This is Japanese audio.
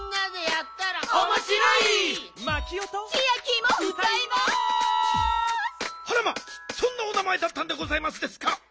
あらまそんなお名まえだったんでございますですか。